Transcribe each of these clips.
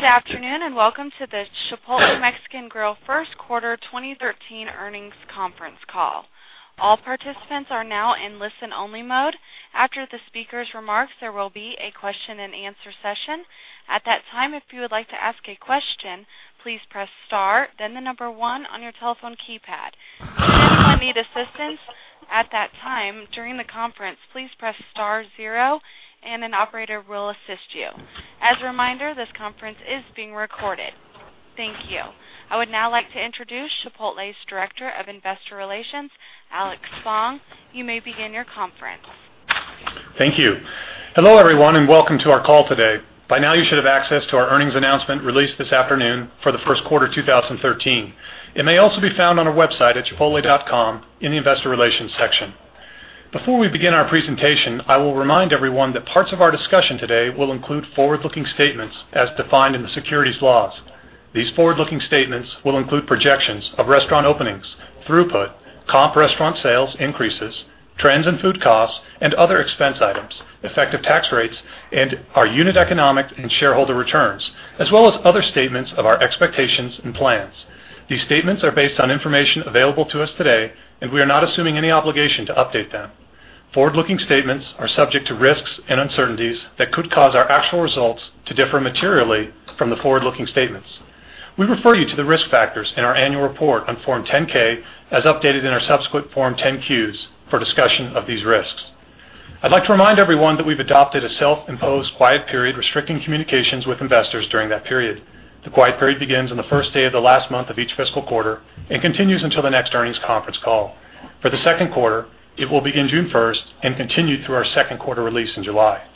Good afternoon, and welcome to the Chipotle Mexican Grill First Quarter 2013 Earnings Conference Call. All participants are now in listen only mode. After the speaker's remarks, there will be a question and answer session. At that time, if you would like to ask a question, please press star, then the number one on your telephone keypad. If you need assistance at that time during the conference, please press star zero and an operator will assist you. As a reminder, this conference is being recorded. Thank you. I would now like to introduce Chipotle's Director of Investor Relations, Alex Spong. You may begin your conference. Thank you. Hello, everyone, and welcome to our call today. By now you should have access to our earnings announcement released this afternoon for the first quarter 2013. It may also be found on our website at chipotle.com in the investor relations section. Before we begin our presentation, I will remind everyone that parts of our discussion today will include forward-looking statements as defined in the securities laws. These forward-looking statements will include projections of restaurant openings, throughput, comp restaurant sales increases, trends in food costs, and other expense items, effective tax rates, and our unit economics and shareholder returns, as well as other statements of our expectations and plans. These statements are based on information available to us today, and we are not assuming any obligation to update them. Forward-looking statements are subject to risks and uncertainties that could cause our actual results to differ materially from the forward-looking statements. We refer you to the risk factors in our annual report on Form 10-K, as updated in our subsequent Form 10-Qs, for discussion of these risks. I'd like to remind everyone that we've adopted a self-imposed quiet period restricting communications with investors during that period. The quiet period begins on the first day of the last month of each fiscal quarter and continues until the next earnings conference call. For the second quarter, it will begin June 1st and continue through our second quarter release in July.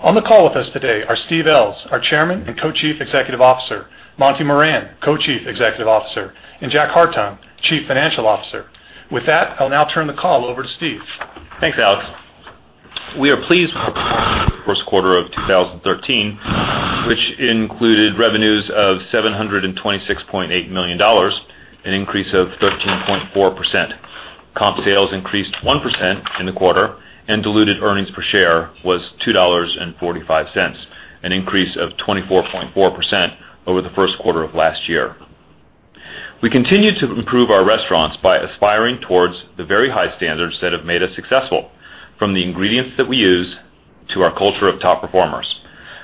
On the call with us today are Steve Ells, our Chairman and Co-Chief Executive Officer, Monty Moran, Co-Chief Executive Officer, and Jack Hartung, Chief Financial Officer. With that, I'll now turn the call over to Steve. Thanks, Alex. We are pleased with the first quarter of 2013, which included revenues of $726.8 million, an increase of 13.4%. Comp sales increased 1% in the quarter, and diluted earnings per share was $2.45, an increase of 24.4% over the first quarter of last year. We continue to improve our restaurants by aspiring towards the very high standards that have made us successful, from the ingredients that we use, to our culture of top performers.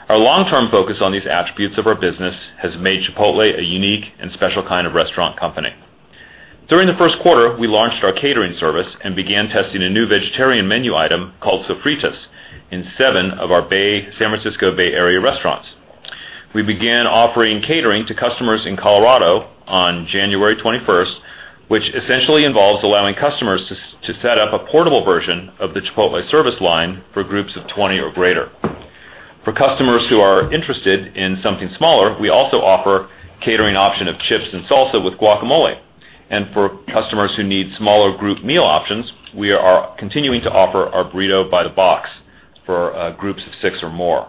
Our long-term focus on these attributes of our business has made Chipotle a unique and special kind of restaurant company. During the first quarter, we launched our catering service and began testing a new vegetarian menu item called Sofritas in seven of our San Francisco Bay Area restaurants. We began offering catering to customers in Colorado on January 21st, which essentially involves allowing customers to set up a portable version of the Chipotle service line for groups of 20 or greater. For customers who are interested in something smaller, we also offer catering option of chips and salsa with guacamole. For customers who need smaller group meal options, we are continuing to offer our Burritos by the Box for groups of six or more.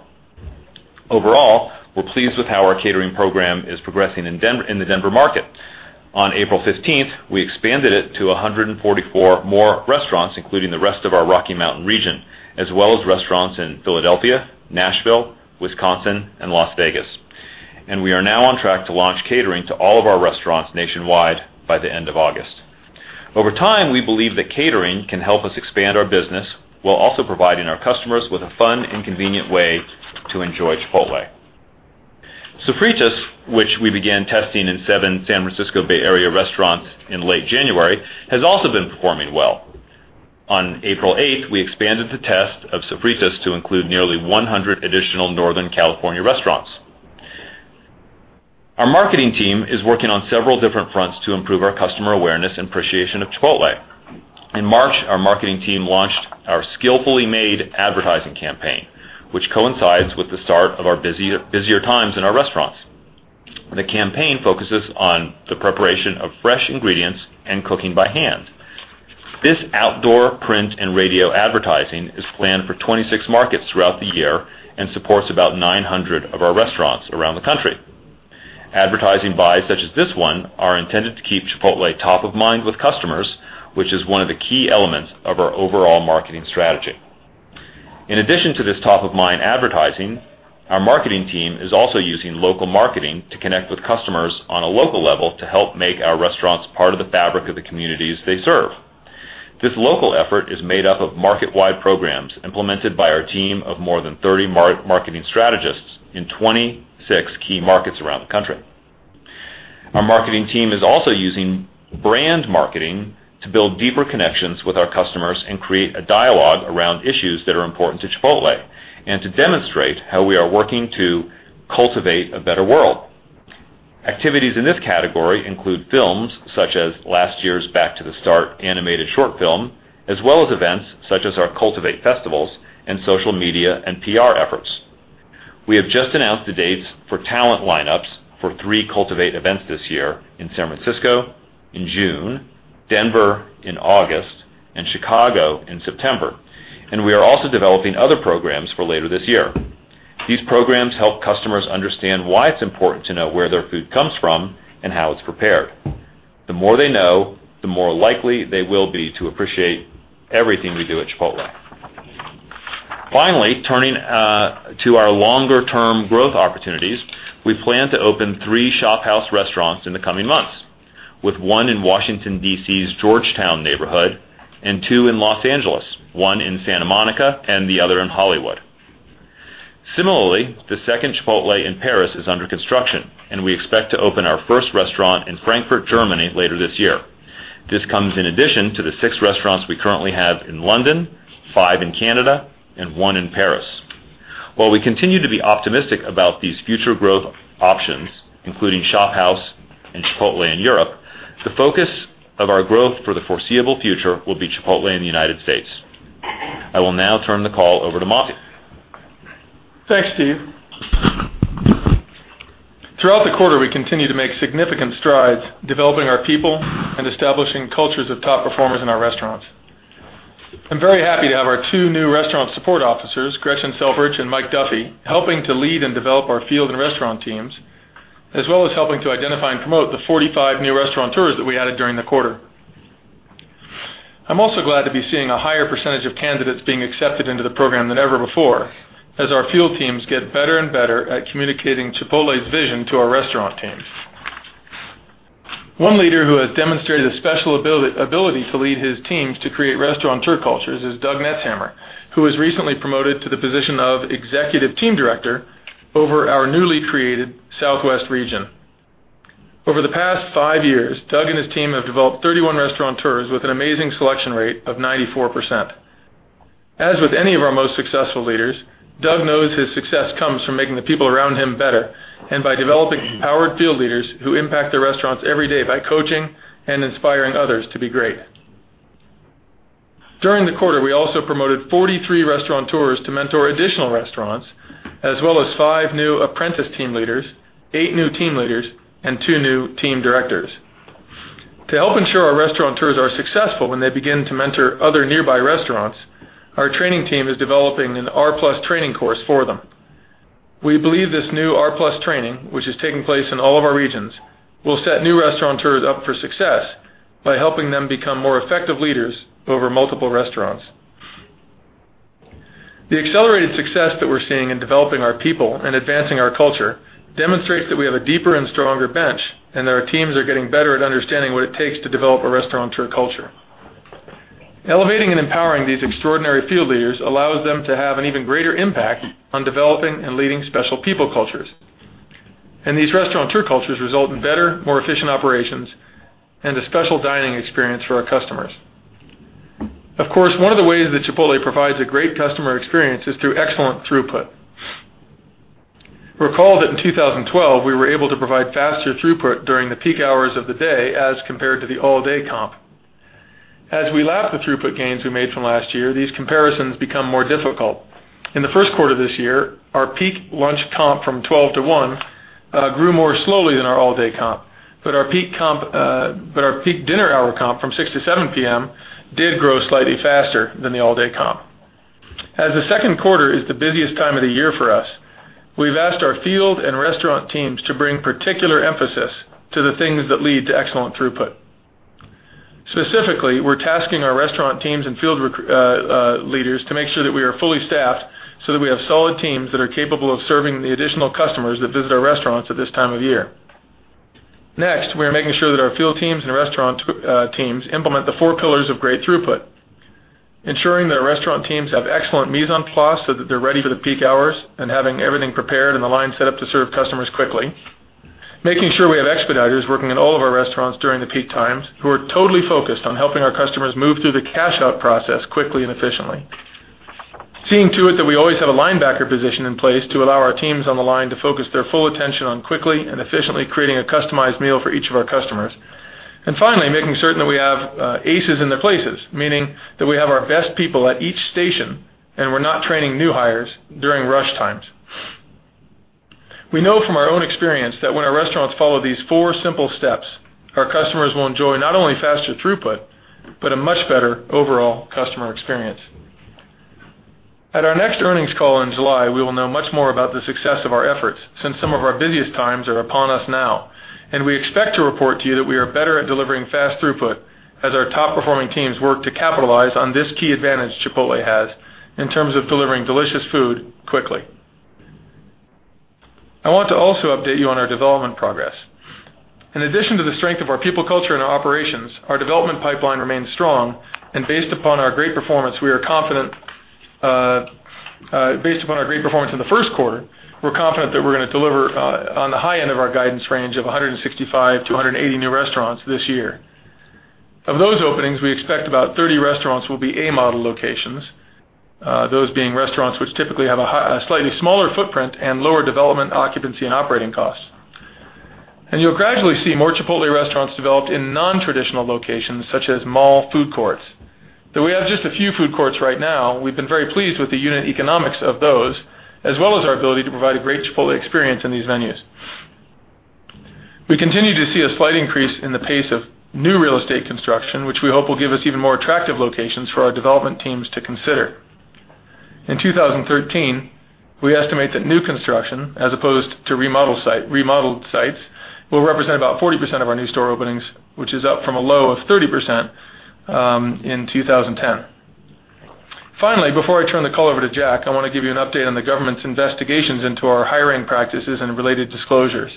Overall, we're pleased with how our catering program is progressing in the Denver market. On April 15th, we expanded it to 144 more restaurants, including the rest of our Rocky Mountain region, as well as restaurants in Philadelphia, Nashville, Wisconsin, and Las Vegas. We are now on track to launch catering to all of our restaurants nationwide by the end of August. Over time, we believe that catering can help us expand our business while also providing our customers with a fun and convenient way to enjoy Chipotle. Sofritas, which we began testing in seven San Francisco Bay Area restaurants in late January, has also been performing well. On April 8th, we expanded the test of Sofritas to include nearly 100 additional Northern California restaurants. Our marketing team is working on several different fronts to improve our customer awareness and appreciation of Chipotle. In March, our marketing team launched our Skillfully Made advertising campaign, which coincides with the start of our busier times in our restaurants. The campaign focuses on the preparation of fresh ingredients and cooking by hand. This outdoor print and radio advertising is planned for 26 markets throughout the year and supports about 900 of our restaurants around the country. Advertising buys such as this one are intended to keep Chipotle top of mind with customers, which is one of the key elements of our overall marketing strategy. In addition to this top-of-mind advertising, our marketing team is also using local marketing to connect with customers on a local level to help make our restaurants part of the fabric of the communities they serve. This local effort is made up of market-wide programs implemented by our team of more than 30 marketing strategists in 26 key markets around the country. Our marketing team is also using brand marketing to build deeper connections with our customers and create a dialogue around issues that are important to Chipotle and to demonstrate how we are working to cultivate a better world. Activities in this category include films such as last year's "Back to the Start" animated short film, as well as events such as our Cultivate Festivals and social media and PR efforts. We have just announced the dates for talent lineups for three Cultivate events this year in San Francisco in June, Denver in August, and Chicago in September. We are also developing other programs for later this year. These programs help customers understand why it's important to know where their food comes from and how it's prepared. The more they know, the more likely they will be to appreciate everything we do at Chipotle. Finally, turning to our longer-term growth opportunities, we plan to open three ShopHouse restaurants in the coming months, with one in Washington, D.C.'s Georgetown neighborhood, and two in Los Angeles, one in Santa Monica and the other in Hollywood. Similarly, the second Chipotle in Paris is under construction, and we expect to open our first restaurant in Frankfurt, Germany, later this year. This comes in addition to the 6 restaurants we currently have in London, 5 in Canada, and 1 in Paris. While we continue to be optimistic about these future growth options, including ShopHouse and Chipotle in Europe, the focus of our growth for the foreseeable future will be Chipotle in the U.S. I will now turn the call over to Monty. Thanks, Steve. Throughout the quarter, we continued to make significant strides developing our people and establishing cultures of top performers in our restaurants. I'm very happy to have our two new Restaurant Support Officers, Gretchen Selfridge and Mike Duffy, helping to lead and develop our field and restaurant teams, as well as helping to identify and promote the 45 new restaurateurs that we added during the quarter. I'm also glad to be seeing a higher percentage of candidates being accepted into the program than ever before, as our field teams get better and better at communicating Chipotle's vision to our restaurant teams. One leader who has demonstrated a special ability to lead his teams to create restaurateur cultures is Doug Netzhammer, who was recently promoted to the position of Executive Team Director over our newly created Southwest Region. Over the past five years, Doug and his team have developed 31 restaurateurs with an amazing selection rate of 94%. As with any of our most successful leaders, Doug knows his success comes from making the people around him better and by developing empowered field leaders who impact the restaurants every day by coaching and inspiring others to be great. During the quarter, we also promoted 43 restaurateurs to mentor additional restaurants, as well as five new apprentice team leaders, eight new team leaders, and two new team directors. To help ensure our restaurateurs are successful when they begin to mentor other nearby restaurants, our training team is developing an R Plus training course for them. We believe this new R Plus training, which is taking place in all of our regions, will set new restaurateurs up for success by helping them become more effective leaders over multiple restaurants. The accelerated success that we're seeing in developing our people and advancing our culture demonstrates that we have a deeper and stronger bench, and that our teams are getting better at understanding what it takes to develop a restaurateur culture. Elevating and empowering these extraordinary field leaders allows them to have an even greater impact on developing and leading special people cultures. These restaurateur cultures result in better, more efficient operations and a special dining experience for our customers. Of course, one of the ways that Chipotle provides a great customer experience is through excellent throughput. Recall that in 2012, we were able to provide faster throughput during the peak hours of the day as compared to the all-day comp. As we lap the throughput gains we made from last year, these comparisons become more difficult. In the first quarter of this year, our peak lunch comp from 12 to 1 grew more slowly than our all-day comp, but our peak dinner hour comp from 6 to 7 P.M. did grow slightly faster than the all-day comp. As the second quarter is the busiest time of the year for us, we've asked our field and restaurant teams to bring particular emphasis to the things that lead to excellent throughput. Specifically, we're tasking our restaurant teams and field leaders to make sure that we are fully staffed so that we have solid teams that are capable of serving the additional customers that visit our restaurants at this time of year. Next, we are making sure that our field teams and restaurant teams implement the four pillars of great throughput. Ensuring that our restaurant teams have excellent mise en place so that they're ready for the peak hours and having everything prepared and the line set up to serve customers quickly. Making sure we have expediters working in all of our restaurants during the peak times who are totally focused on helping our customers move through the cash-out process quickly and efficiently. Seeing to it that we always have a linebacker position in place to allow our teams on the line to focus their full attention on quickly and efficiently creating a customized meal for each of our customers. Finally, making certain that we have aces in their places, meaning that we have our best people at each station, and we're not training new hires during rush times. We know from our own experience that when our restaurants follow these four simple steps, our customers will enjoy not only faster throughput, but a much better overall customer experience. At our next earnings call in July, we will know much more about the success of our efforts, since some of our busiest times are upon us now. We expect to report to you that we are better at delivering fast throughput as our top-performing teams work to capitalize on this key advantage Chipotle has in terms of delivering delicious food quickly. I want to also update you on our development progress. In addition to the strength of our people culture and our operations, our development pipeline remains strong, and based upon our great performance in the first quarter, we're confident that we're going to deliver on the high end of our guidance range of 165 to 180 new restaurants this year. Of those openings, we expect about 30 restaurants will be A-model locations, those being restaurants which typically have a slightly smaller footprint and lower development, occupancy, and operating costs. You'll gradually see more Chipotle restaurants developed in non-traditional locations, such as mall food courts. Though we have just a few food courts right now, we've been very pleased with the unit economics of those, as well as our ability to provide a great Chipotle experience in these venues. We continue to see a slight increase in the pace of new real estate construction, which we hope will give us even more attractive locations for our development teams to consider. In 2013, we estimate that new construction, as opposed to remodeled sites, will represent about 40% of our new store openings, which is up from a low of 30% in 2010. Finally, before I turn the call over to Jack, I want to give you an update on the government's investigations into our hiring practices and related disclosures.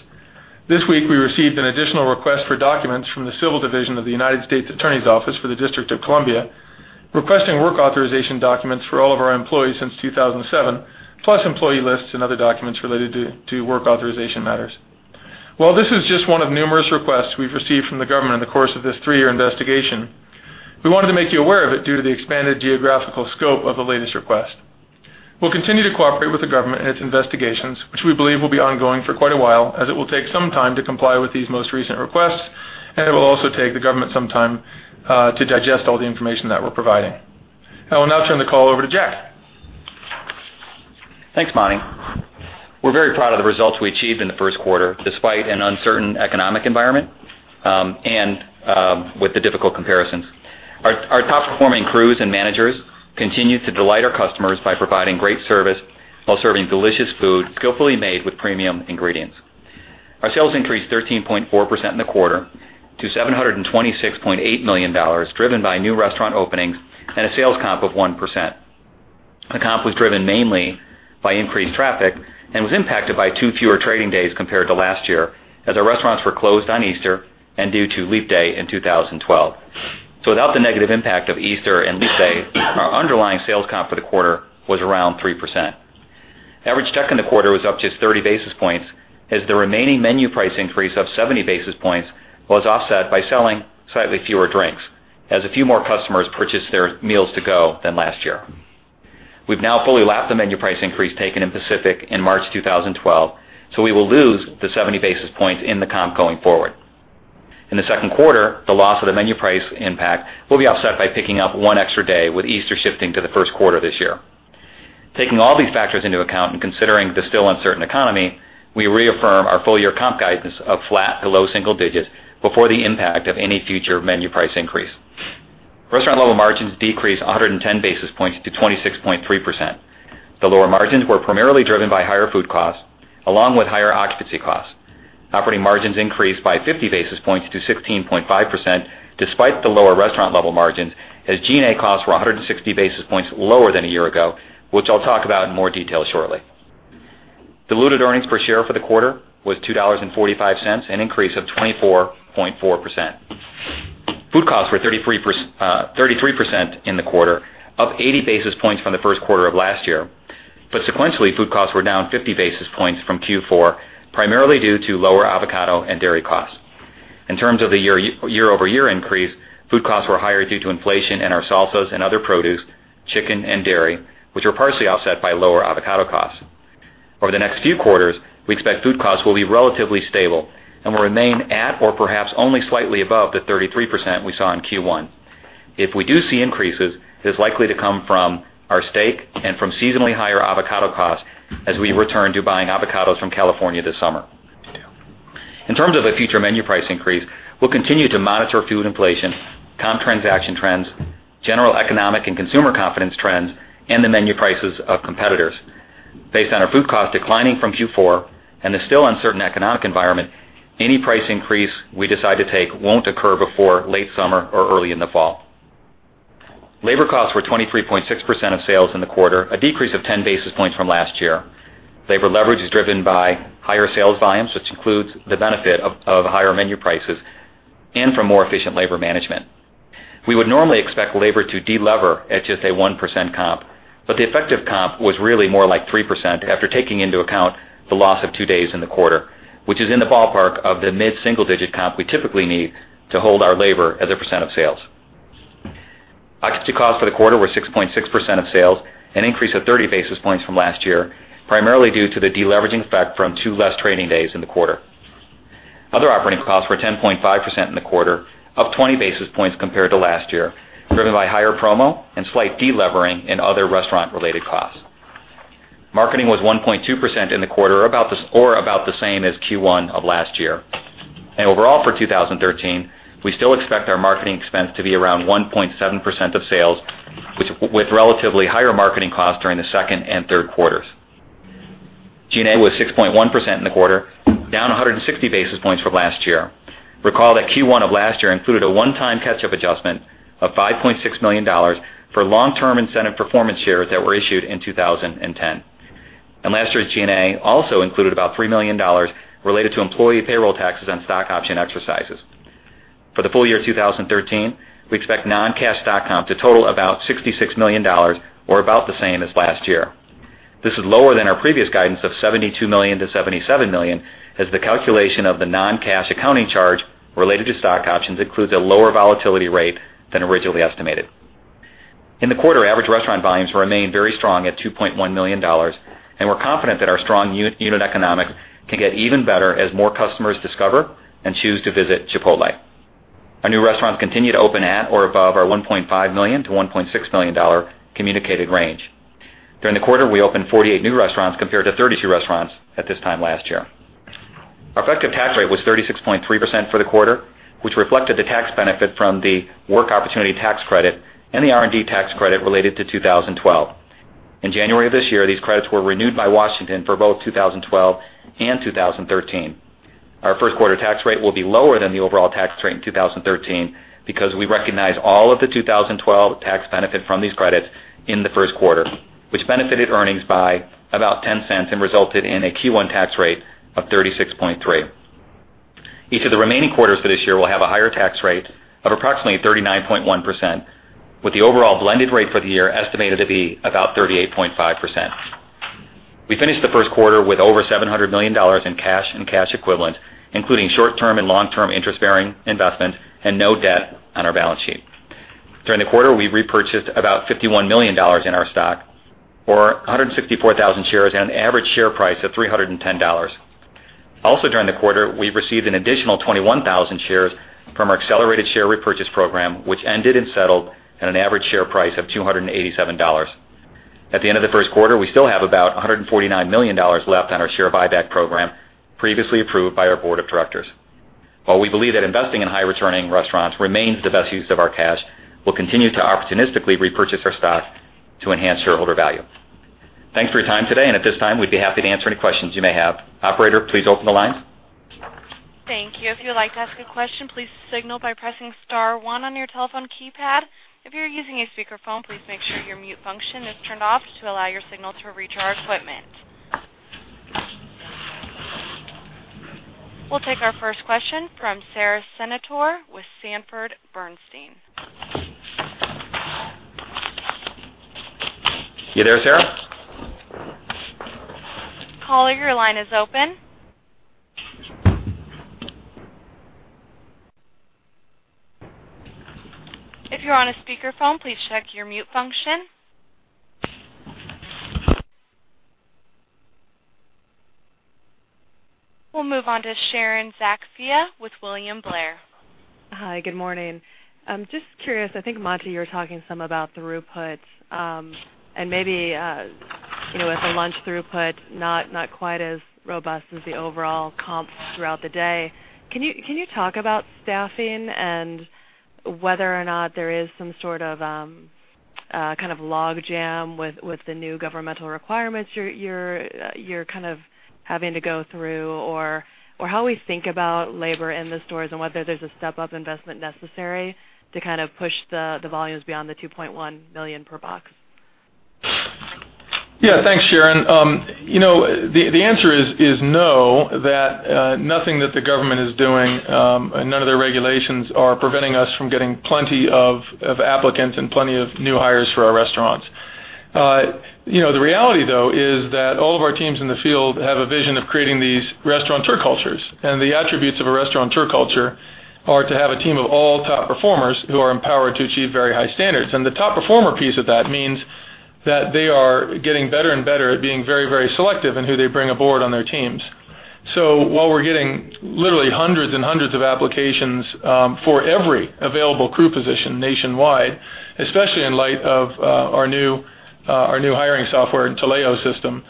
This week, we received an additional request for documents from the Civil Division of the United States Attorney's Office for the District of Columbia, requesting work authorization documents for all of our employees since 2007, plus employee lists and other documents related to work authorization matters. While this is just one of numerous requests we've received from the government in the course of this three-year investigation, we wanted to make you aware of it due to the expanded geographical scope of the latest request. We'll continue to cooperate with the government and its investigations, which we believe will be ongoing for quite a while, as it will take some time to comply with these most recent requests, and it will also take the government some time to digest all the information that we're providing. I will now turn the call over to Jack. Thanks, Monty. We're very proud of the results we achieved in the first quarter, despite an uncertain economic environment and with the difficult comparisons. Our top-performing crews and managers continue to delight our customers by providing great service while serving delicious food skillfully made with premium ingredients. Our sales increased 13.4% in the quarter to $726.8 million, driven by new restaurant openings and a sales comp of 1%. The comp was driven mainly by increased traffic and was impacted by 2 fewer trading days compared to last year, as our restaurants were closed on Easter and due to Leap Day in 2012. Without the negative impact of Easter and Leap Day, our underlying sales comp for the quarter was around 3%. Average check in the quarter was up just 30 basis points as the remaining menu price increase of 70 basis points was offset by selling slightly fewer drinks, as a few more customers purchased their meals to go than last year. We've now fully lapped the menu price increase taken in Pacific in March 2012, we will lose the 70 basis points in the comp going forward. In the second quarter, the loss of the menu price impact will be offset by picking up 1 extra day with Easter shifting to the first quarter this year. Taking all these factors into account and considering the still uncertain economy, we reaffirm our full-year comp guidance of flat to low single digits before the impact of any future menu price increase. Restaurant level margins decreased 110 basis points to 26.3%. The lower margins were primarily driven by higher food costs along with higher occupancy costs. Operating margins increased by 50 basis points to 16.5%, despite the lower restaurant level margins, as G&A costs were 160 basis points lower than a year ago, which I'll talk about in more detail shortly. Diluted earnings per share for the quarter was $2.45, an increase of 24.4%. Food costs were 33% in the quarter, up 80 basis points from the first quarter of last year. Sequentially, food costs were down 50 basis points from Q4, primarily due to lower avocado and dairy costs. In terms of the year-over-year increase, food costs were higher due to inflation in our salsas and other produce, chicken, and dairy, which were partially offset by lower avocado costs. Over the next few quarters, we expect food costs will be relatively stable and will remain at or perhaps only slightly above the 33% we saw in Q1. If we do see increases, it is likely to come from our steak and from seasonally higher avocado costs as we return to buying avocados from California this summer. In terms of a future menu price increase, we'll continue to monitor food inflation, comp transaction trends, general economic and consumer confidence trends, and the menu prices of competitors. Based on our food cost declining from Q4 and the still uncertain economic environment, any price increase we decide to take won't occur before late summer or early in the fall. Labor costs were 23.6% of sales in the quarter, a decrease of 10 basis points from last year. Labor leverage is driven by higher sales volumes, which includes the benefit of higher menu prices and from more efficient labor management. We would normally expect labor to de-lever at just a 1% comp, but the effective comp was really more like 3% after taking into account the loss of two days in the quarter, which is in the ballpark of the mid-single-digit comp we typically need to hold our labor as a percent of sales. Occupancy costs for the quarter were 6.6% of sales, an increase of 30 basis points from last year, primarily due to the de-leveraging effect from two less trading days in the quarter. Other operating costs were 10.5% in the quarter, up 20 basis points compared to last year, driven by higher promo and slight de-levering in other restaurant-related costs. Marketing was 1.2% in the quarter or about the same as Q1 of last year. Overall for 2013, we still expect our marketing expense to be around 1.7% of sales, with relatively higher marketing costs during the second and third quarters. G&A was 6.1% in the quarter, down 160 basis points from last year. Recall that Q1 of last year included a one-time catch-up adjustment of $5.6 million for long-term incentive performance shares that were issued in 2010. Last year's G&A also included about $3 million related to employee payroll taxes on stock option exercises. For the full year 2013, we expect non-cash stock comp to total about $66 million, or about the same as last year. This is lower than our previous guidance of $72 million-$77 million, as the calculation of the non-cash accounting charge related to stock options includes a lower volatility rate than originally estimated. In the quarter, average restaurant volumes remained very strong at $2.1 million. We're confident that our strong unit economics can get even better as more customers discover and choose to visit Chipotle. Our new restaurants continue to open at or above our $1.5 million-$1.6 million communicated range. During the quarter, we opened 48 new restaurants compared to 32 restaurants at this time last year. Our effective tax rate was 36.3% for the quarter, which reflected the tax benefit from the Work Opportunity Tax Credit and the R&D tax credit related to 2012. In January of this year, these credits were renewed by Washington for both 2012 and 2013. Our first quarter tax rate will be lower than the overall tax rate in 2013 because we recognize all of the 2012 tax benefit from these credits in the first quarter, which benefited earnings by about $0.10 and resulted in a Q1 tax rate of 36.3%. Each of the remaining quarters for this year will have a higher tax rate of approximately 39.1%, with the overall blended rate for the year estimated to be about 38.5%. We finished the first quarter with over $700 million in cash and cash equivalent, including short-term and long-term interest-bearing investment and no debt on our balance sheet. During the quarter, we repurchased about $51 million in our stock or 164,000 shares at an average share price of $310. Also, during the quarter, we received an additional 21,000 shares from our accelerated share repurchase program, which ended and settled at an average share price of $287. At the end of the first quarter, we still have about $149 million left on our share buyback program, previously approved by our board of directors. We believe that investing in high-returning restaurants remains the best use of our cash, we'll continue to opportunistically repurchase our stock to enhance shareholder value. Thanks for your time today. At this time, we'd be happy to answer any questions you may have. Operator, please open the lines. Thank you. If you'd like to ask a question, please signal by pressing star one on your telephone keypad. If you're using a speakerphone, please make sure your mute function is turned off to allow your signal to reach our equipment. We'll take our first question from Sara Senatore with Sanford Bernstein. You there, Sara? Caller, your line is open. If you're on a speakerphone, please check your mute function. We'll move on to Sharon Zackfia with William Blair. Hi. Good morning. Just curious, I think, Monty, you were talking some about the throughput. Maybe with the lunch throughput, not quite as robust as the overall comps throughout the day. Can you talk about staffing and whether or not there is some sort of logjam with the new governmental requirements you're having to go through, or how we think about labor in the stores and whether there's a step-up investment necessary to push the volumes beyond the $2.1 million per box? Yeah. Thanks, Sharon. The answer is no, that nothing that the government is doing, none of their regulations are preventing us from getting plenty of applicants and plenty of new hires for our restaurants. The reality, though, is that all of our teams in the field have a vision of creating these restaurateur cultures, the attributes of a restaurateur culture are to have a team of all top performers who are empowered to achieve very high standards. The top performer piece of that means that they are getting better and better at being very selective in who they bring aboard on their teams. While we're getting literally hundreds and hundreds of applications for every available crew position nationwide, especially in light of our new hiring software, Taleo system,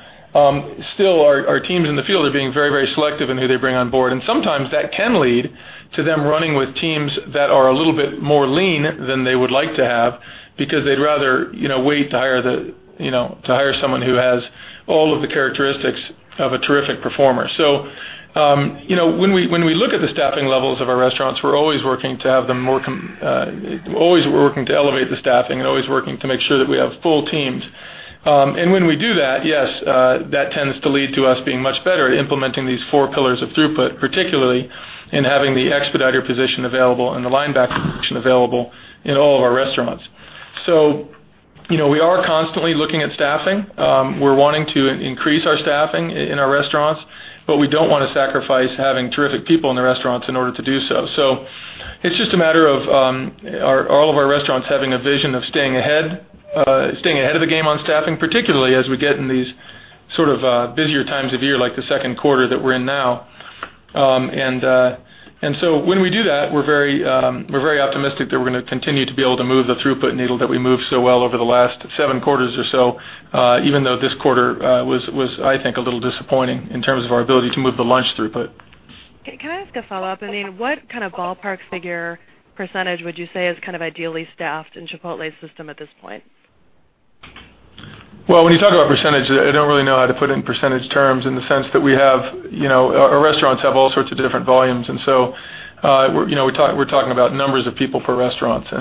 still our teams in the field are being very selective in who they bring on board. Sometimes that can lead to them running with teams that are a little bit more lean than they would like to have because they'd rather wait to hire someone who has all of the characteristics of a terrific performer. When we look at the staffing levels of our restaurants, we're always working to elevate the staffing and always working to make sure that we have full teams. When we do that, yes, that tends to lead to us being much better at implementing these four pillars of throughput, particularly in having the expediter position available and the lineback position available in all of our restaurants. We are constantly looking at staffing. We're wanting to increase our staffing in our restaurants, but we don't want to sacrifice having terrific people in the restaurants in order to do so. It's just a matter of all of our restaurants having a vision of staying ahead of the game on staffing, particularly as we get in these busier times of year, like the second quarter that we're in now. When we do that, we're very optimistic that we're going to continue to be able to move the throughput needle that we moved so well over the last seven quarters or so, even though this quarter was, I think, a little disappointing in terms of our ability to move the lunch throughput. Can I ask a follow-up? What kind of ballpark figure percentage would you say is ideally staffed in Chipotle's system at this point? When you talk about percentage, I don't really know how to put it in percentage terms in the sense that our restaurants have all sorts of different volumes. We're talking about numbers of people per restaurants. I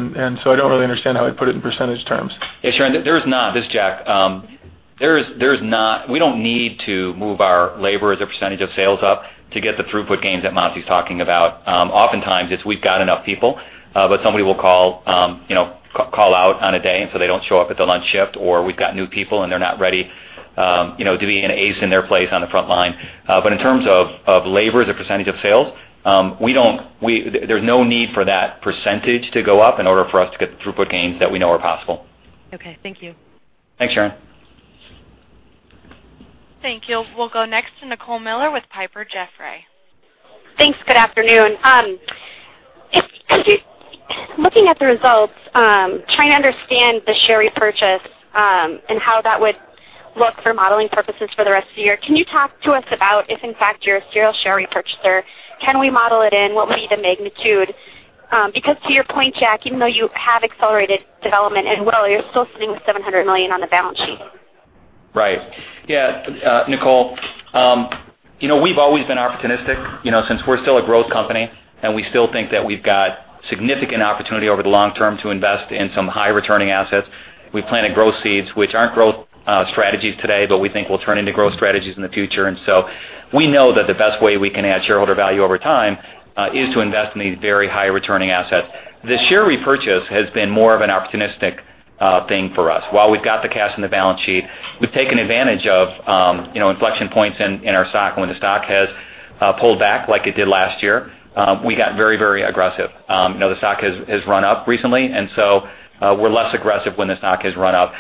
don't really understand how I'd put it in percentage terms. Hey, Sharon, this is Jack. We don't need to move our labor as a percentage of sales up to get the throughput gains that Monty's talking about. Oftentimes, it's we've got enough people, somebody will call out on a day, they don't show up at the lunch shift, or we've got new people and they're not ready to be an ace in their place on the front line. In terms of labor as a percentage of sales, there's no need for that percentage to go up in order for us to get the throughput gains that we know are possible. Okay. Thank you. Thanks, Sharon. Thank you. We'll go next to Nicole Miller with Piper Jaffray. Thanks. Good afternoon. Looking at the results, trying to understand the share repurchase, and how that would look for modeling purposes for the rest of the year. Can you talk to us about if in fact, you're a serial share repurchaser? Can we model it in? What would be the magnitude? Because to your point, Jack, even though you have accelerated development as well, you're still sitting with $700 million on the balance sheet. Right. Yeah. Nicole, we've always been opportunistic, since we're still a growth company, and we still think that we've got significant opportunity over the long term to invest in some high-returning assets. We've planted growth seeds, which aren't growth strategies today, but we think will turn into growth strategies in the future. We know that the best way we can add shareholder value over time, is to invest in these very high returning assets. The share repurchase has been more of an opportunistic thing for us. While we've got the cash in the balance sheet, we've taken advantage of inflection points in our stock. When the stock has pulled back like it did last year, we got very aggressive. The stock has run up recently, and so, we're less aggressive when the stock has run up.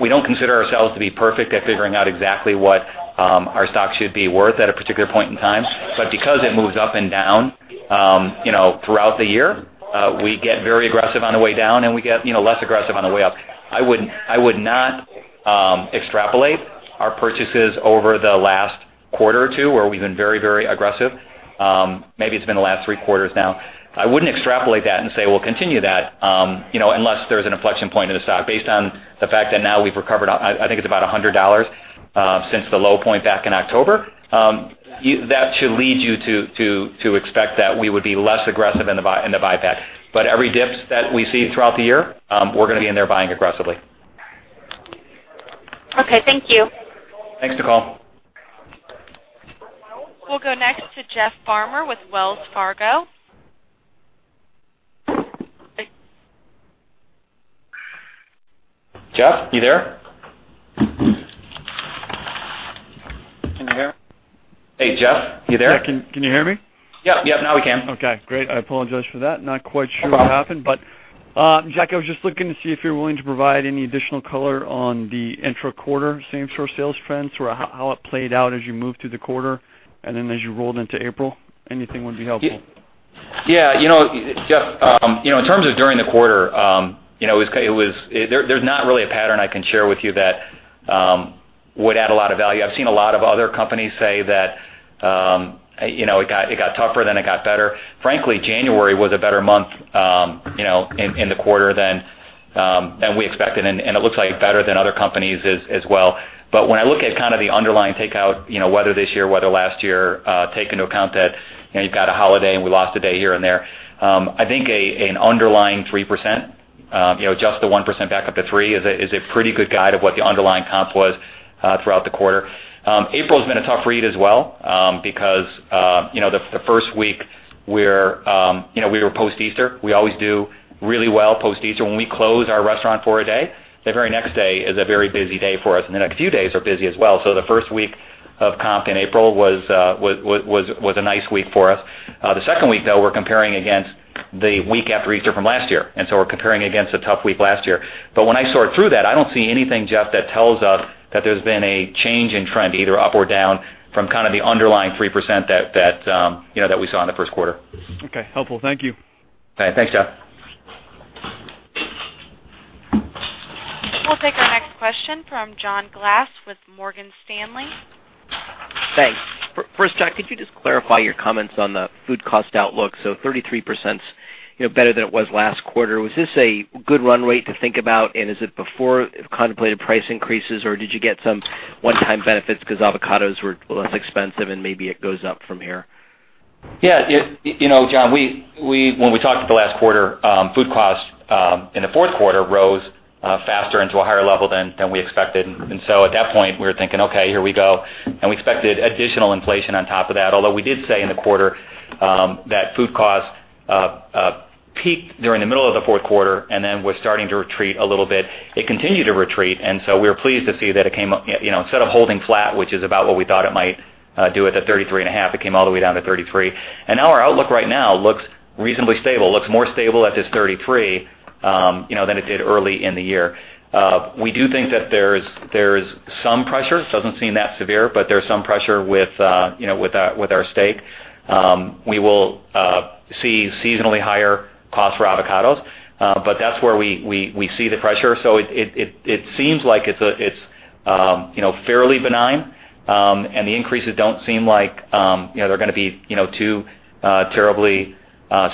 We don't consider ourselves to be perfect at figuring out exactly what our stock should be worth at a particular point in time. Because it moves up and down throughout the year, we get very aggressive on the way down and we get less aggressive on the way up. I would not extrapolate our purchases over the last quarter or two where we've been very aggressive. Maybe it's been the last three quarters now. I wouldn't extrapolate that and say we'll continue that, unless there's an inflection point in the stock. Based on the fact that now we've recovered, I think it's about $100 since the low point back in October. That should lead you to expect that we would be less aggressive in the buyback. Every dip that we see throughout the year, we're going to be in there buying aggressively. Okay. Thank you. Thanks, Nicole. We'll go next to Jeff Farmer with Wells Fargo. Jeff, you there? Can you hear me? Hey, Jeff, you there? Yeah, can you hear me? Yep. Now we can. Okay, great. I apologize for that. Not quite sure what happened, Jack, I was just looking to see if you're willing to provide any additional color on the intra-quarter same-store sales trends, or how it played out as you moved through the quarter, and then as you rolled into April. Anything would be helpful. Yeah, Jeff, in terms of during the quarter, there's not really a pattern I can share with you that would add a lot of value. I've seen a lot of other companies say that it got tougher, then it got better. Frankly, January was a better month in the quarter than we expected, and it looks like better than other companies as well. When I look at kind of the underlying take out, whether this year, whether last year, take into account that, you've got a holiday and we lost a day here and there. I think an underlying 3%, adjust the 1% back up to three is a pretty good guide of what the underlying comps was throughout the quarter. April's been a tough read as well, because the first week we were post-Easter. We always do really well post-Easter. When we close our restaurant for a day, the very next day is a very busy day for us, and the next few days are busy as well. The first week of comp in April was a nice week for us. The second week, though, we're comparing against the week after Easter from last year, and so we're comparing against a tough week last year. When I sort through that, I don't see anything, Jeff, that tells us that there's been a change in trend, either up or down from kind of the underlying 3% that we saw in the first quarter. Okay, helpful. Thank you. All right. Thanks, Jeff. We'll take our next question from John Glass with Morgan Stanley. Thanks. First, Jack, could you just clarify your comments on the food cost outlook? 33%'s better than it was last quarter. Was this a good run rate to think about, and is it before contemplated price increases, or did you get some one-time benefits because avocados were less expensive and maybe it goes up from here? Yeah. John, when we talked at the last quarter, food cost in the fourth quarter rose faster and to a higher level than we expected. At that point, we were thinking, "Okay, here we go." We expected additional inflation on top of that. Although we did say in the quarter that food cost peaked during the middle of the fourth quarter and then was starting to retreat a little bit. It continued to retreat, we were pleased to see that it came, instead of holding flat, which is about what we thought it might do at the 33.5, it came all the way down to 33. Now our outlook right now looks reasonably stable. Looks more stable at this 33, than it did early in the year. We do think that there's some pressure. It doesn't seem that severe, there's some pressure with our steak. We will see seasonally higher costs for avocados. That's where we see the pressure. It seems like it's fairly benign, the increases don't seem like they're going to be too terribly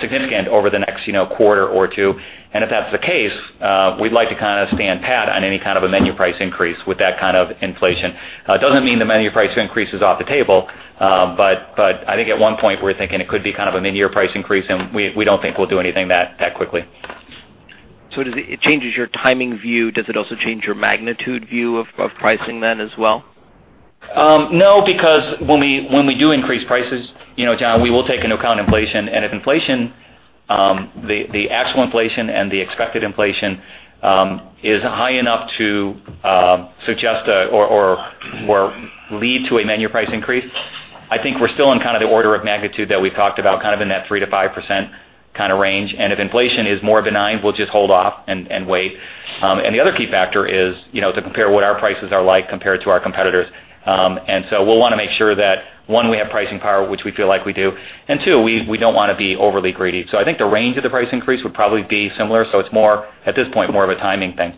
significant over the next quarter or two. If that's the case, we'd like to kind of stand pat on any kind of a menu price increase with that kind of inflation. It doesn't mean the menu price increase is off the table, I think at one point we were thinking it could be kind of a mid-year price increase, we don't think we'll do anything that quickly. It changes your timing view. Does it also change your magnitude view of pricing as well? No, because when we do increase prices, John, we will take into account inflation. If inflation, the actual inflation and the expected inflation, is high enough to suggest or lead to a menu price increase, I think we're still in kind of the order of magnitude that we've talked about, kind of in that 3%-5% kind of range. If inflation is more benign, we'll just hold off and wait. The other key factor is to compare what our prices are like compared to our competitors. We'll want to make sure that, one, we have pricing power, which we feel like we do, and two, we don't want to be overly greedy. I think the range of the price increase would probably be similar. It's, at this point, more of a timing thing.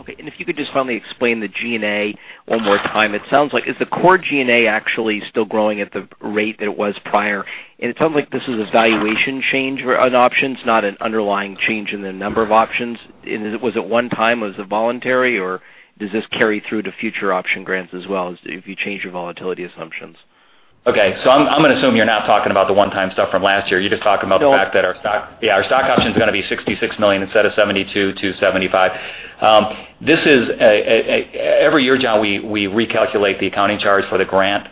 Okay. If you could just finally explain the G&A one more time. Is the core G&A actually still growing at the rate that it was prior? It sounds like this is a valuation change on options, not an underlying change in the number of options. Was it one time? Was it voluntary, or does this carry through to future option grants as well, if you change your volatility assumptions? Okay. I'm going to assume you're not talking about the one-time stuff from last year. You're just talking about the fact that our stock option's going to be $66 million instead of $72 million-$75 million. Every year, John, we recalculate the accounting charge for the grant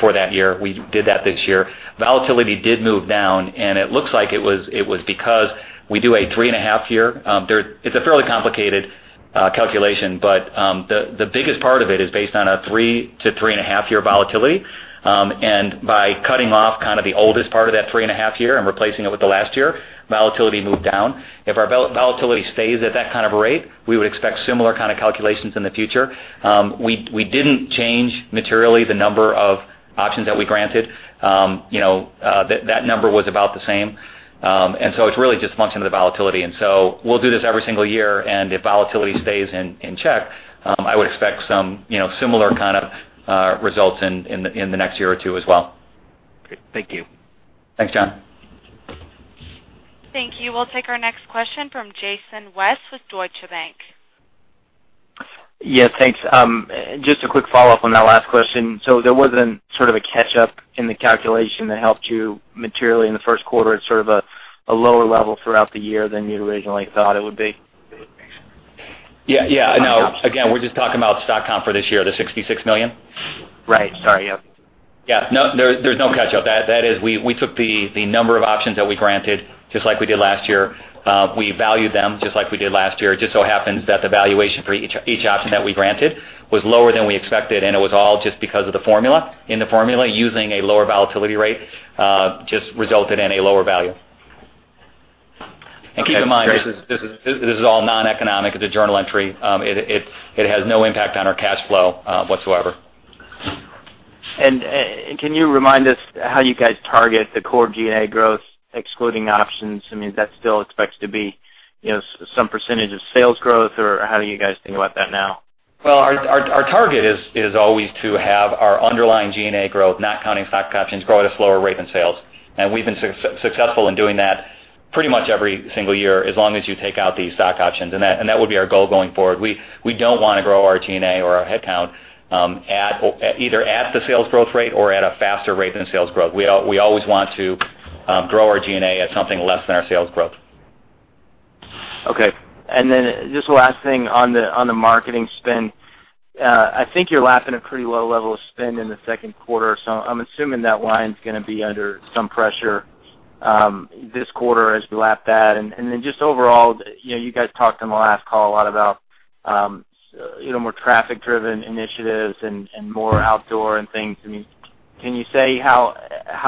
for that year. We did that this year. Volatility did move down, and it looks like it was because we do a three-and-a-half year. It's a fairly complicated calculation, but the biggest part of it is based on a three to three-and-a-half year volatility. By cutting off kind of the oldest part of that three-and-a-half year and replacing it with the last year, volatility moved down. If our volatility stays at that kind of rate, we would expect similar kind of calculations in the future. We didn't change materially the number of options that we granted. That number was about the same. It's really just a function of the volatility. We'll do this every single year, and if volatility stays in check, I would expect some similar kind of results in the next year or two as well. Great. Thank you. Thanks, John. Thank you. We'll take our next question from Jason West with Deutsche Bank. Yes, thanks. Just a quick follow-up on that last question. There wasn't sort of a catch-up in the calculation that helped you materially in the first quarter. It's sort of a lower level throughout the year than you'd originally thought it would be? Yeah. No, again, we're just talking about stock comp for this year, the $66 million. Right. Sorry. Yep. Yeah. No, there's no catch-up. We took the number of options that we granted, just like we did last year. We valued them just like we did last year. It just so happens that the valuation for each option that we granted was lower than we expected, and it was all just because of the formula. In the formula, using a lower volatility rate just resulted in a lower value. Okay, great. Keep in mind, this is all non-economic. It's a journal entry. It has no impact on our cash flow whatsoever. Can you remind us how you guys target the core G&A growth, excluding options? I mean, is that still expected to be some % of sales growth, or how do you guys think about that now? Well, our target is always to have our underlying G&A growth, not counting stock options, grow at a slower rate than sales. We've been successful in doing that pretty much every single year, as long as you take out these stock options. That would be our goal going forward. We don't want to grow our G&A or our headcount either at the sales growth rate or at a faster rate than the sales growth. We always want to grow our G&A at something less than our sales growth. Okay. Then just the last thing on the marketing spend. I think you're lapping a pretty low level of spend in the second quarter, so I'm assuming that line's going to be under some pressure this quarter as you lap that. Then just overall, you guys talked on the last call a lot about more traffic-driven initiatives and more outdoor and things. Can you say how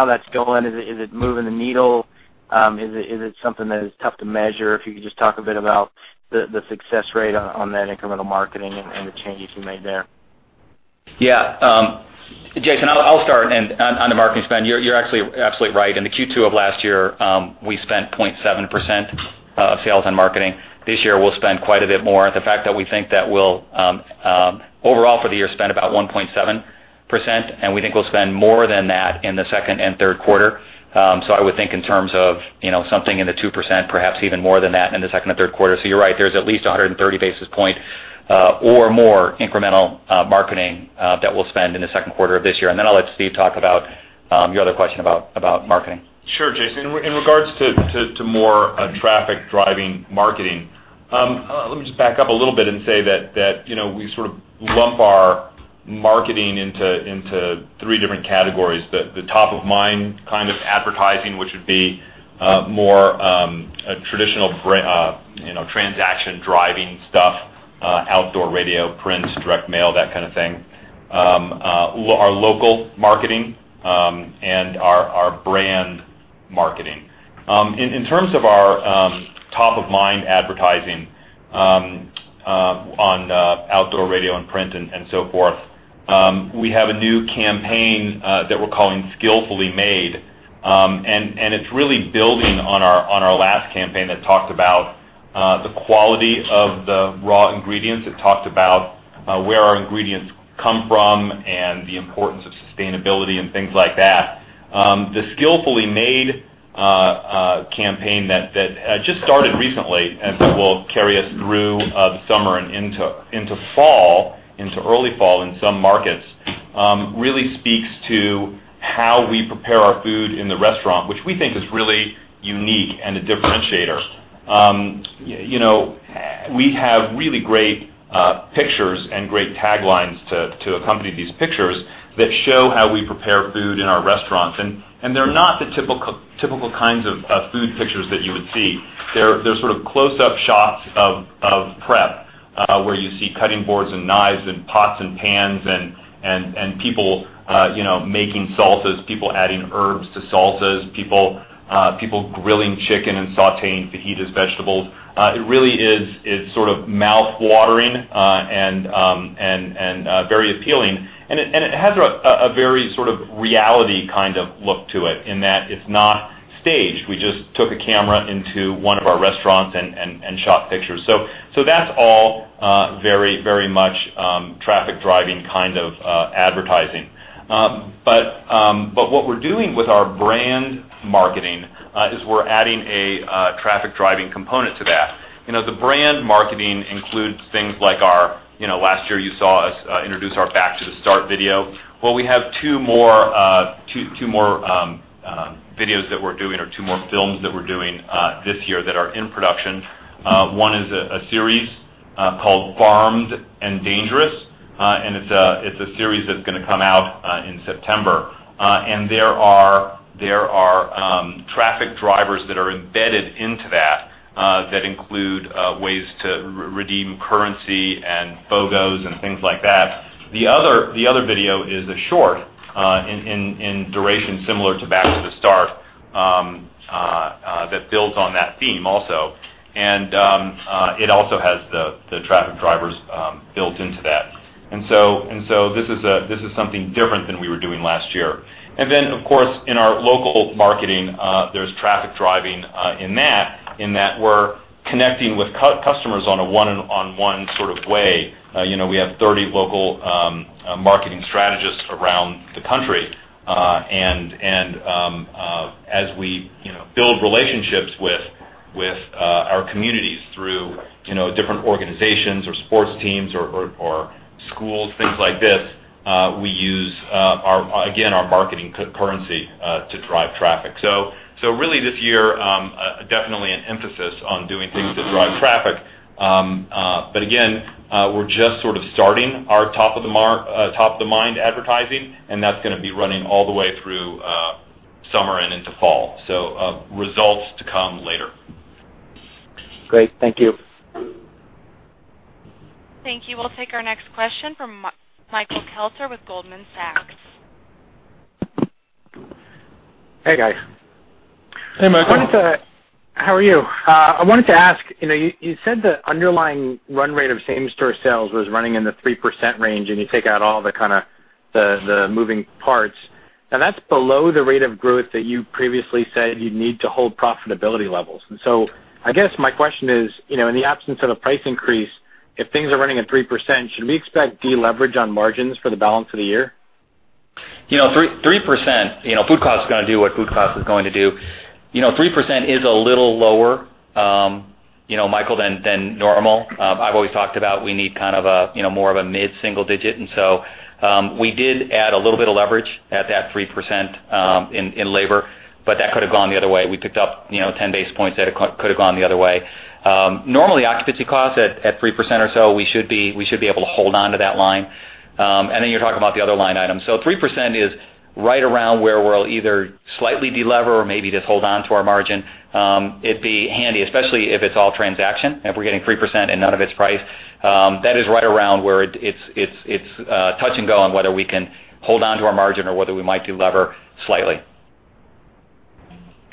that's going? Is it moving the needle? Is it something that is tough to measure? If you could just talk a bit about the success rate on that incremental marketing and the changes you made there. Yeah. Jason West, I'll start. On the marketing spend, you're absolutely right. In the Q2 of last year, we spent 0.7% of sales on marketing. This year, we'll spend quite a bit more. The fact that we think that we'll, overall for the year, spend about 1.7%, and we think we'll spend more than that in the second and third quarter. I would think in terms of something in the 2%, perhaps even more than that in the second or third quarter. You're right, there's at least 130 basis point or more incremental marketing that we'll spend in the second quarter of this year. Then I'll let Steve Ells talk about your other question about marketing. Sure, Jason West. In regards to more traffic-driving marketing, let me just back up a little bit and say that we sort of lump our marketing into three different categories. The top-of-mind kind of advertising, which would be more traditional transaction-driving stuff, outdoor radio, print, direct mail, that kind of thing, our local marketing, and our brand marketing. In terms of our top-of-mind advertising on outdoor radio and print and so forth, we have a new campaign that we're calling Skillfully Made, it's really building on our last campaign that talked about the quality of the raw ingredients. It talked about where our ingredients come from and the importance of sustainability and things like that. The Skillfully Made campaign just started recently and will carry us through the summer and into early fall in some markets. It really speaks to how we prepare our food in the restaurant, which we think is really unique and a differentiator. We have really great pictures and great taglines to accompany these pictures that show how we prepare food in our restaurants, they're not the typical kinds of food pictures that you would see. They're sort of close-up shots of prep, where you see cutting boards and knives and pots and pans and people making salsas, people adding herbs to salsas, people grilling chicken and sautéing fajitas vegetables. It really is sort of mouth-watering and very appealing, it has a very sort of reality kind of look to it in that it's not staged. We just took a camera into one of our restaurants and shot pictures. That's all very much traffic-driving kind of advertising. What we're doing with our brand marketing is we're adding a traffic-driving component to that. The brand marketing includes things like our last year you saw us introduce our Back to the Start video. We have 2 more videos that we're doing, or 2 more films that we're doing this year that are in production. One is a series called "Farmed and Dangerous," it's a series that's going to come out in September. There are traffic drivers that are embedded into that include ways to redeem currency and photos, and things like that. The other video is a short, in duration similar to Back to the Start, that builds on that theme also. It also has the traffic drivers built into that. This is something different than we were doing last year. Of course, in our local marketing, there's traffic driving in that, in that we're connecting with customers on 1 sort of way. We have 30 local marketing strategists around the country. As we build relationships with our communities through different organizations or sports teams or schools, things like this, we use, again, our marketing currency to drive traffic. Really this year, definitely an emphasis on doing things that drive traffic. Again, we're just sort of starting our top of the mind advertising, that's going to be running all the way through summer and into fall. Results to come later. Great. Thank you. Thank you. We'll take our next question from Michael Kelter with Goldman Sachs. Hey, guys. Hey, Michael. How are you? I wanted to ask, you said the underlying run rate of same-store sales was running in the 3% range. You take out all the moving parts. That's below the rate of growth that you previously said you'd need to hold profitability levels. I guess my question is, in the absence of a price increase, if things are running at 3%, should we expect deleverage on margins for the balance of the year? 3%, food cost is going to do what food cost is going to do. 3% is a little lower, Michael, than normal. I've always talked about we need kind of more of a mid-single digit. We did add a little bit of leverage at that 3% in labor, but that could have gone the other way. We picked up 10 basis points that could have gone the other way. Normally, occupancy costs at 3% or so, we should be able to hold onto that line. You're talking about the other line items. 3% is right around where we'll either slightly delever or maybe just hold on to our margin. It'd be handy, especially if it's all transaction, if we're getting 3% and none of it's price. That is right around where it's touch and go on whether we can hold on to our margin or whether we might delever slightly.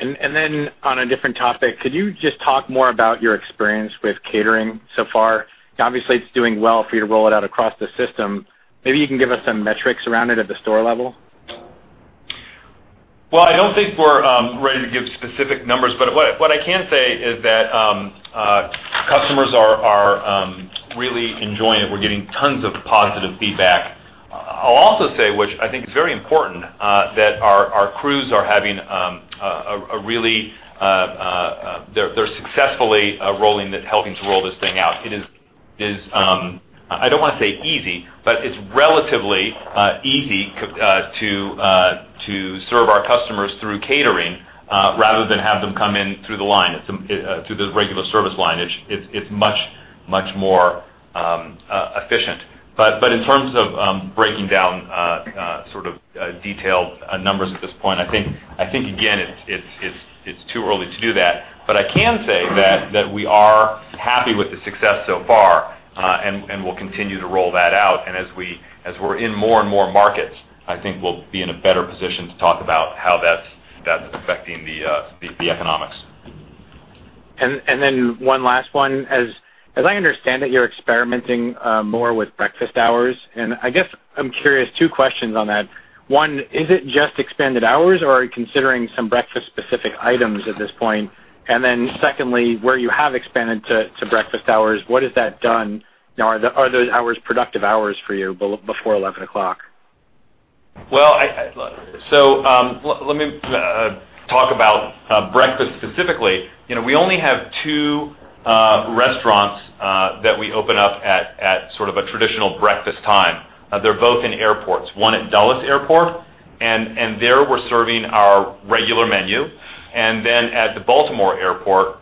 On a different topic, could you just talk more about your experience with catering so far? Obviously, it's doing well for you to roll it out across the system. Maybe you can give us some metrics around it at the store level. Well, I don't think we're ready to give specific numbers, what I can say is that customers are really enjoying it. We're getting tons of positive feedback. I'll also say, which I think is very important, that our crews are successfully helping to roll this thing out. It is, I don't want to say easy, but it's relatively easy to serve our customers through catering, rather than have them come in through the line, through the regular service line. It's much more efficient. In terms of breaking down sort of detailed numbers at this point, I think, again, it's too early to do that. I can say that we are happy with the success so far, and we'll continue to roll that out. As we're in more and more markets, I think we'll be in a better position to talk about how that's affecting the economics. One last one. As I understand it, you're experimenting more with breakfast hours. I guess I'm curious, two questions on that. One, is it just expanded hours, or are you considering some breakfast-specific items at this point? Secondly, where you have expanded to breakfast hours, what has that done? Are those hours productive hours for you before 11 o'clock? Let me talk about breakfast specifically. We only have 2 restaurants that we open up at sort of a traditional breakfast time. They're both in airports, one at Dulles Airport. There we're serving our regular menu. At the Baltimore Airport,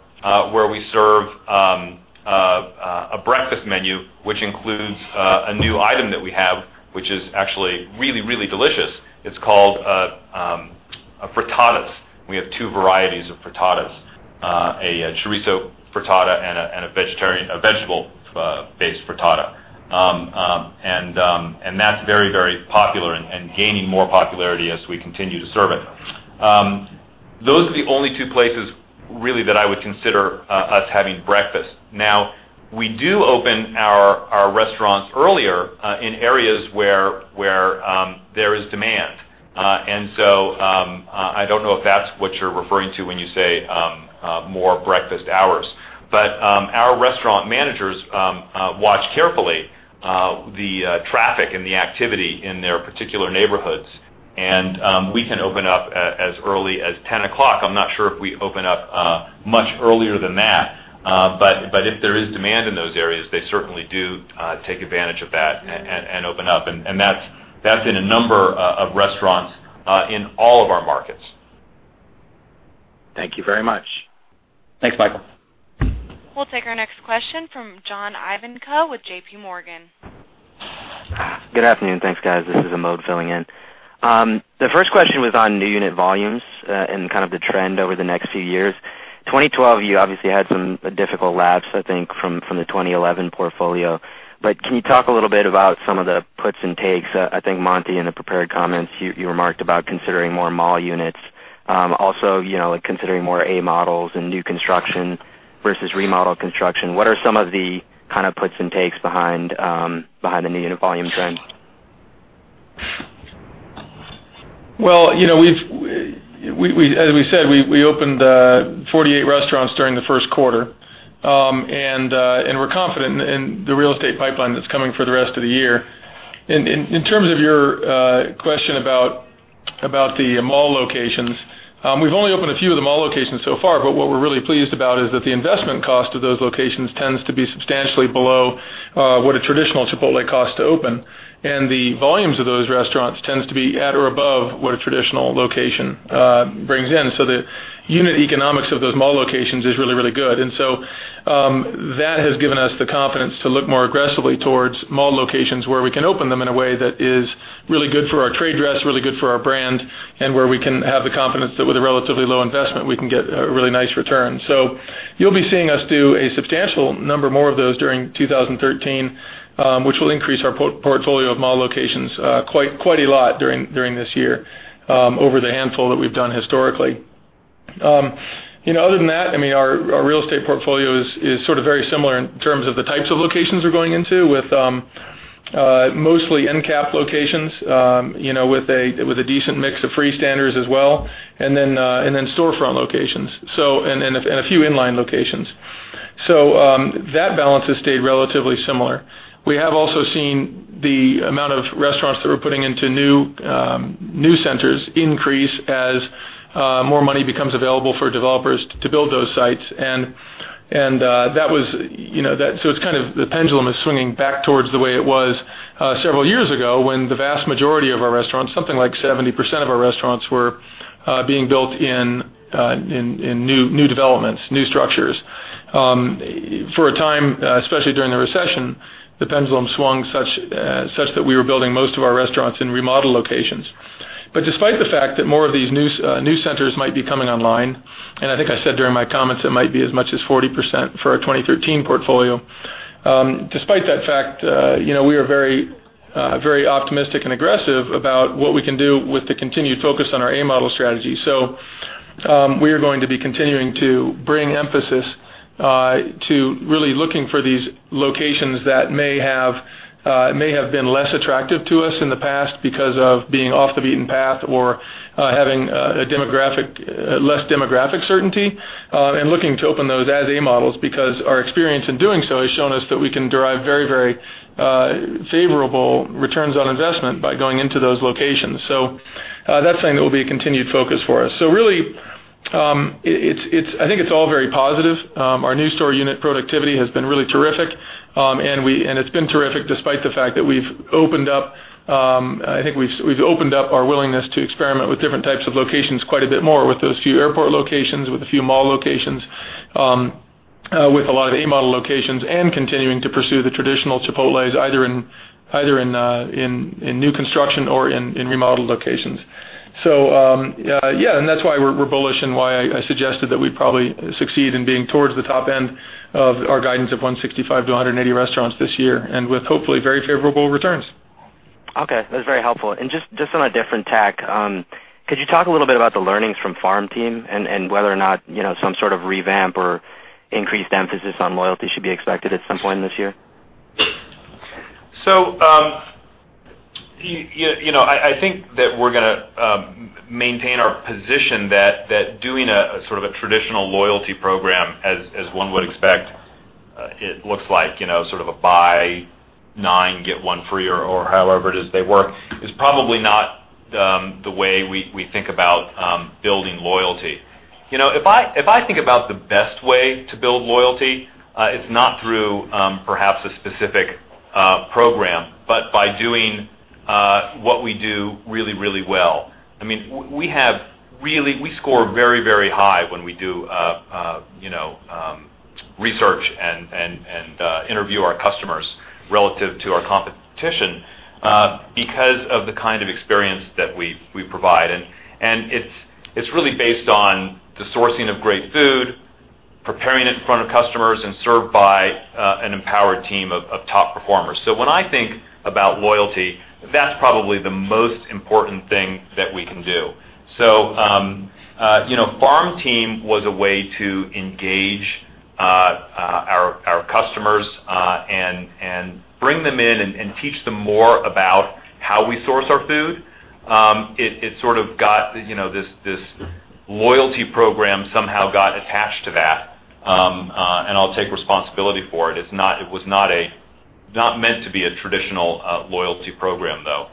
where we serve a breakfast menu, which includes a new item that we have, which is actually really delicious. It's called frittatas. We have 2 varieties of frittatas, a chorizo frittata and a vegetable-based frittata. That's very popular and gaining more popularity as we continue to serve it. Those are the only 2 places Really that I would consider us having breakfast. We do open our restaurants earlier in areas where there is demand. I don't know if that's what you're referring to when you say more breakfast hours. Our restaurant managers watch carefully the traffic and the activity in their particular neighborhoods, and we can open up as early as 10 o'clock. I'm not sure if we open up much earlier than that. If there is demand in those areas, they certainly do take advantage of that and open up. That's in a number of restaurants in all of our markets. Thank you very much. Thanks, Michael. We'll take our next question from John Ivankoe with J.P. Morgan. Good afternoon. Thanks, guys. This is [Amode] filling in. The first question was on new unit volumes, and kind of the trend over the next few years. 2012, you obviously had some difficult laps, I think, from the 2011 portfolio. Can you talk a little bit about some of the puts and takes? I think, Monty, in the prepared comments, you remarked about considering more mall units. Also considering more A-models and new construction versus remodel construction. What are some of the kind of puts and takes behind the new unit volume trend? Well, as we said, we opened 48 restaurants during the first quarter. We're confident in the real estate pipeline that's coming for the rest of the year. In terms of your question about the mall locations, we've only opened a few of the mall locations so far, what we're really pleased about is that the investment cost of those locations tends to be substantially below what a traditional Chipotle cost to open. The volumes of those restaurants tends to be at or above what a traditional location brings in. The unit economics of those mall locations is really, really good. That has given us the confidence to look more aggressively towards mall locations, where we can open them in a way that is really good for our trade dress, really good for our brand, and where we can have the confidence that with a relatively low investment, we can get a really nice return. You'll be seeing us do a substantial number more of those during 2013, which will increase our portfolio of mall locations quite a lot during this year over the handful that we've done historically. Other than that, our real estate portfolio is sort of very similar in terms of the types of locations we're going into, with mostly end-cap locations with a decent mix of free standers as well, then storefront locations. A few inline locations. That balance has stayed relatively similar. We have also seen the amount of restaurants that we're putting into new centers increase as more money becomes available for developers to build those sites. It's kind of the pendulum is swinging back towards the way it was several years ago, when the vast majority of our restaurants, something like 70% of our restaurants, were being built in new developments, new structures. For a time, especially during the recession, the pendulum swung such that we were building most of our restaurants in remodeled locations. Despite the fact that more of these new centers might be coming online, and I think I said during my comments, it might be as much as 40% for our 2013 portfolio. Despite that fact, we are very optimistic and aggressive about what we can do with the continued focus on our A-model strategy. We are going to be continuing to bring emphasis to really looking for these locations that may have been less attractive to us in the past because of being off the beaten path or having less demographic certainty, and looking to open those as A-models because our experience in doing so has shown us that we can derive very favorable returns on investment by going into those locations. That's something that will be a continued focus for us. Really, I think it's all very positive. Our new store unit productivity has been really terrific, and it's been terrific despite the fact that we've opened up our willingness to experiment with different types of locations quite a bit more with those few airport locations, with a few mall locations, with a lot of A-model locations, and continuing to pursue the traditional Chipotles, either in new construction or in remodeled locations. That's why we're bullish and why I suggested that we'd probably succeed in being towards the top end of our guidance of 165 to 180 restaurants this year, and with hopefully very favorable returns. Okay. That's very helpful. Just on a different tack, could you talk a little bit about the learnings from Farm Team and whether or not some sort of revamp or increased emphasis on loyalty should be expected at some point this year? I think that we're going to maintain our position that doing a sort of a traditional loyalty program as one would expect, it looks like sort of a buy nine, get one free or however it is they work, is probably not the way we think about building loyalty. If I think about the best way to build loyalty, it's not through perhaps a specific program, but by doing what we do really, really well. We score very high when we do research and interview our customers relative to our competition because of the kind of experience that we provide, and it's really based on the sourcing of great food Preparing it in front of customers and served by an empowered team of top performers. When I think about loyalty, that's probably the most important thing that we can do. Farm Team was a way to engage our customers and bring them in and teach them more about how we source our food. This loyalty program somehow got attached to that, and I'll take responsibility for it. It was not meant to be a traditional loyalty program, though.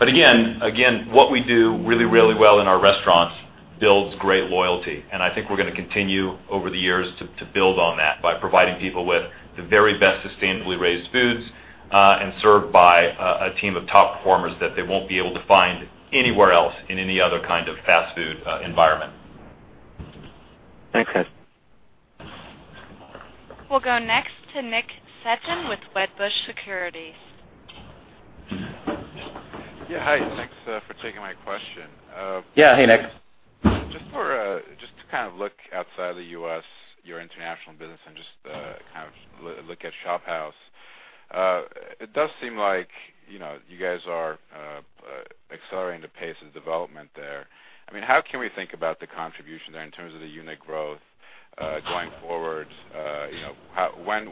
Again, what we do really, really well in our restaurants builds great loyalty, and I think we're going to continue over the years to build on that by providing people with the very best sustainably raised foods, and served by a team of top performers that they won't be able to find anywhere else in any other kind of fast food environment. Thanks, guys. We'll go next to Nick Setyan with Wedbush Securities. Yeah, hi. Thanks for taking my question. Yeah. Hey, Nick. Just to kind of look outside the U.S., your international business, and just look at ShopHouse. It does seem like you guys are accelerating the pace of development there. How can we think about the contribution there in terms of the unit growth going forward?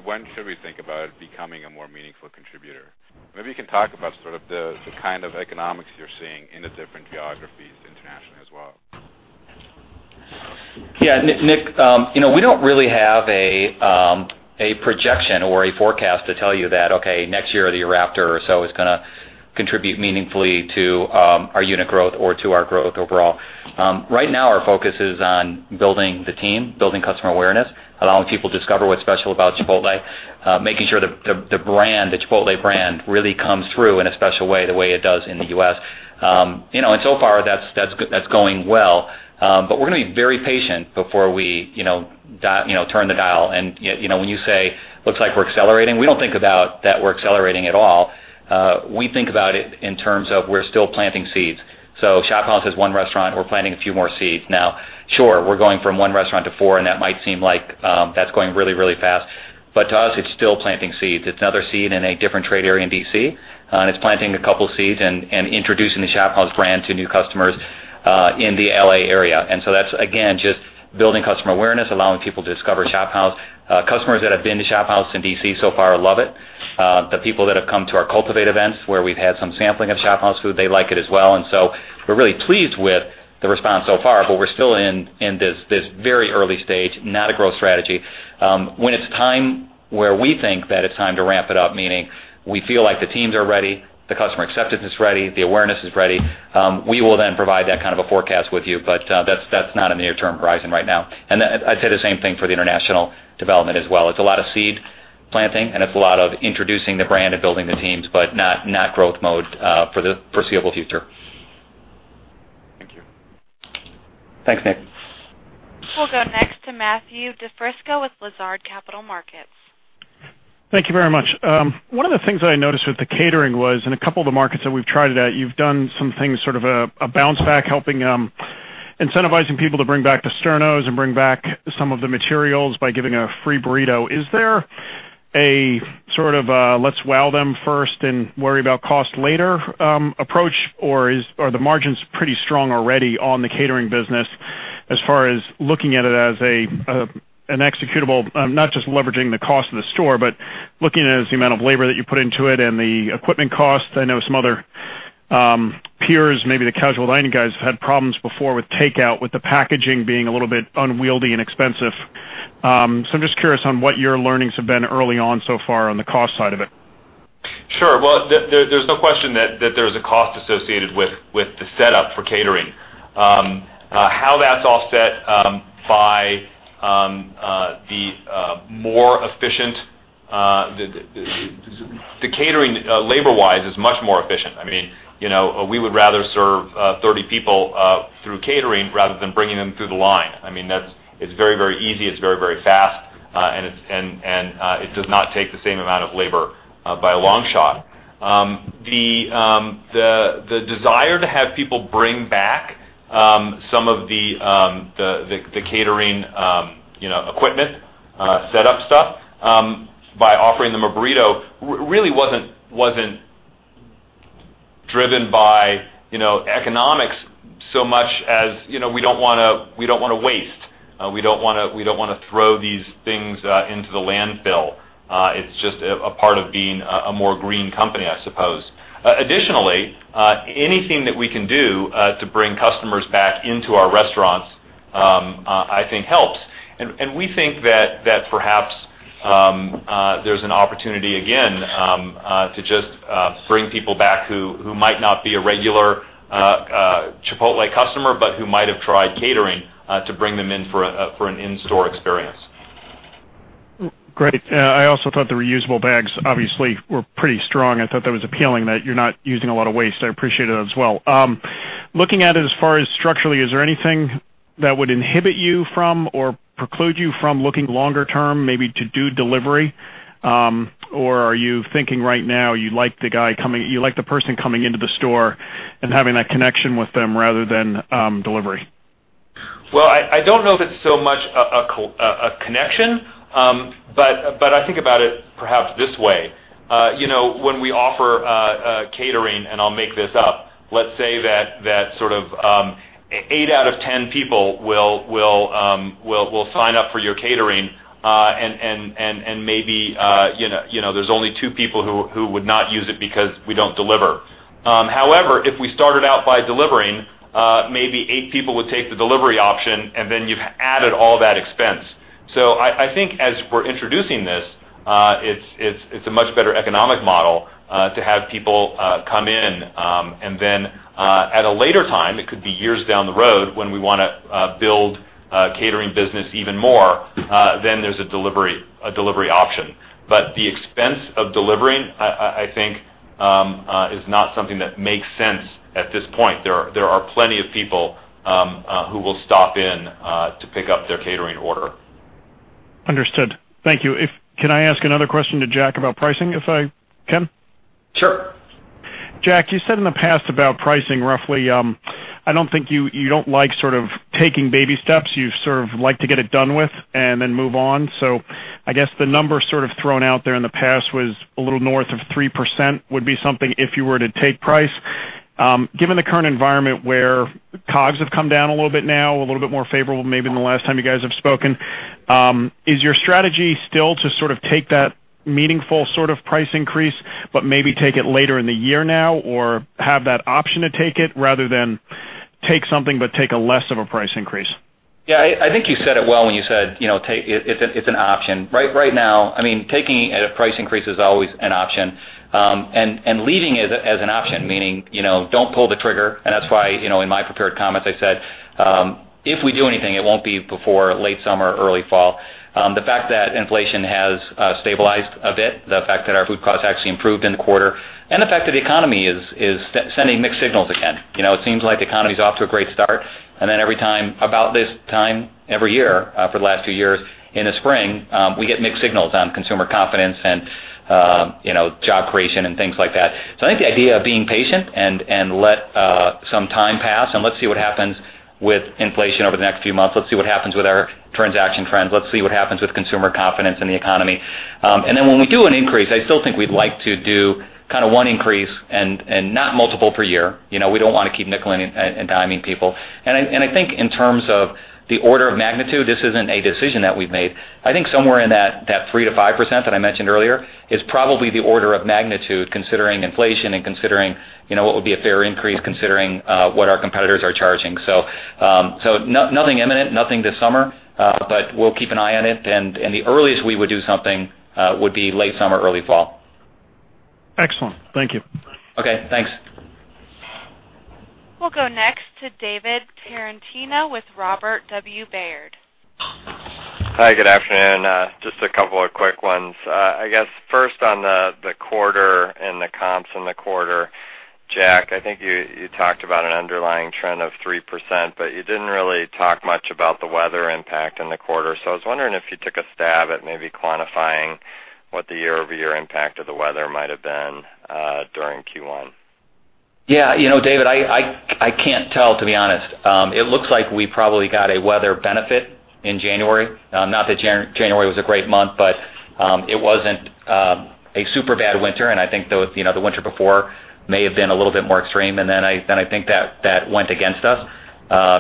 When should we think about it becoming a more meaningful contributor? Maybe you can talk about the kind of economics you're seeing in the different geographies internationally as well. Yeah, Nick, we don't really have a projection or a forecast to tell you that, okay, next year or the year after or so it's going to contribute meaningfully to our unit growth or to our growth overall. Right now, our focus is on building the team, building customer awareness, allowing people to discover what's special about Chipotle, making sure the Chipotle brand really comes through in a special way, the way it does in the U.S. So far that's going well. We're going to be very patient before we turn the dial, and when you say, "Looks like we're accelerating," we don't think about that we're accelerating at all. We think about it in terms of we're still planting seeds. ShopHouse has one restaurant. We're planting a few more seeds. Sure, we're going from one restaurant to four, that might seem like that's going really, really fast, to us, it's still planting seeds. It's another seed in a different trade area in D.C., it's planting a couple seeds and introducing the ShopHouse brand to new customers in the L.A. area. That's, again, just building customer awareness, allowing people to discover ShopHouse. Customers that have been to ShopHouse in D.C. so far love it. The people that have come to our Cultivate events, where we've had some sampling of ShopHouse food, they like it as well. We're really pleased with the response so far, we're still in this very early stage, not a growth strategy. When it's time where we think that it's time to ramp it up, meaning we feel like the teams are ready, the customer acceptance is ready, the awareness is ready, we will then provide that kind of a forecast with you. That's not a near-term horizon right now. I'd say the same thing for the international development as well. It's a lot of seed planting, it's a lot of introducing the brand and building the teams, not growth mode for the foreseeable future. Thank you. Thanks, Nick. We'll go next to Matthew DiFrisco with Lazard Capital Markets. Thank you very much. One of the things that I noticed with the catering was, in a two of the markets that we've tried it at, you've done some things, sort of a bounce back, helping incentivizing people to bring back the Sterno and bring back some of the materials by giving a free burrito. Is there a sort of a let's wow them first and worry about cost later approach, or are the margins pretty strong already on the catering business as far as looking at it as an executable, not just leveraging the cost of the store, but looking at it as the amount of labor that you put into it and the equipment cost? I know some other peers, maybe the casual dining guys, had problems before with takeout, with the packaging being a little bit unwieldy and expensive. I'm just curious on what your learnings have been early on so far on the cost side of it. Sure. Well, there's no question that there's a cost associated with the setup for catering. The catering labor wise is much more efficient. We would rather serve 30 people through catering rather than bringing them through the line. It's very, very easy, it's very, very fast, and it does not take the same amount of labor by a long shot. The desire to have people bring back some of the catering equipment, setup stuff, by offering them a burrito really wasn't driven by economics so much as we don't want to waste. We don't want to throw these things into the landfill. It's just a part of being a more green company, I suppose. Additionally, anything that we can do to bring customers back into our restaurants, I think helps. We think that perhaps there's an opportunity again to just bring people back who might not be a regular Chipotle customer, but who might have tried catering to bring them in for an in-store experience. Great. I also thought the reusable bags obviously were pretty strong. I thought that was appealing that you're not using a lot of waste. I appreciate it as well. Looking at it as far as structurally, is there anything that would inhibit you from or preclude you from looking longer term maybe to do delivery? Or are you thinking right now you like the person coming into the store and having that connection with them rather than delivery? I don't know if it's so much a connection, but I think about it perhaps this way. When we offer catering, and I'll make this up, let's say that eight out of 10 people will sign up for your catering, and maybe there's only two people who would not use it because we don't deliver. However, if we started out by delivering, maybe eight people would take the delivery option, and then you've added all that expense. I think as we're introducing this, it's a much better economic model, to have people come in, and then, at a later time, it could be years down the road when we want to build a catering business even more, then there's a delivery option. The expense of delivering, I think, is not something that makes sense at this point. There are plenty of people who will stop in to pick up their catering order. Understood. Thank you. Can I ask another question to Jack about pricing if I can? Sure. Jack, you said in the past about pricing roughly, I don't think you don't like sort of taking baby steps. You sort of like to get it done with and then move on. I guess the number sort of thrown out there in the past was a little north of 3% would be something if you were to take price. Given the current environment where COGS have come down a little bit now, a little bit more favorable maybe than the last time you guys have spoken, is your strategy still to sort of take that meaningful sort of price increase, but maybe take it later in the year now, or have that option to take it rather than take something but take a less of a price increase? Yeah, I think you said it well when you said, it's an option. Right now, taking a price increase is always an option, and leaving it as an option, meaning, don't pull the trigger, and that's why, in my prepared comments, I said, if we do anything, it won't be before late summer or early fall. The fact that inflation has stabilized a bit, the fact that our food cost actually improved in the quarter, the fact that the economy is sending mixed signals again. It seems like the economy's off to a great start, every time about this time every year for the last few years in the spring, we get mixed signals on consumer confidence and job creation and things like that. I think the idea of being patient and let some time pass and let's see what happens with inflation over the next few months. Let's see what happens with our transaction trends. Let's see what happens with consumer confidence in the economy. When we do an increase, I still think we'd like to do kind of one increase and not multiple per year. We don't want to keep nickeling and diming people. I think in terms of the order of magnitude, this isn't a decision that we've made. I think somewhere in that 3%-5% that I mentioned earlier is probably the order of magnitude considering inflation and considering what would be a fair increase, considering what our competitors are charging. Nothing imminent, nothing this summer. We'll keep an eye on it and the earliest we would do something would be late summer or early fall. Excellent. Thank you. Okay, thanks. We'll go next to David Tarantino with Robert W. Baird. Hi, good afternoon. Just a couple of quick ones. I guess first on the quarter and the comps in the quarter. Jack, I think you talked about an underlying trend of 3%, but you didn't really talk much about the weather impact in the quarter. I was wondering if you took a stab at maybe quantifying what the year-over-year impact of the weather might have been during Q1. Yeah. David, I can't tell, to be honest. It looks like we probably got a weather benefit in January. Not that January was a great month, but it wasn't a super bad winter, and I think the winter before may have been a little bit more extreme, and then I think that went against us